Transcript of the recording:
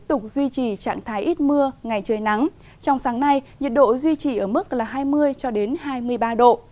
trong sáng nay nhiệt độ duy trì ở mức hai mươi hai mươi ba độ